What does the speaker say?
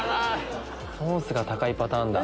ソースが高いパターンだ。